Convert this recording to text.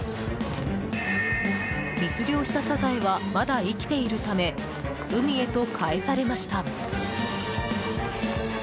密漁したサザエはまだ生きているため海へとかえされました。